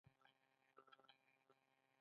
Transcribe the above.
زړه د بدن د دوران تنظیمونکی غړی دی.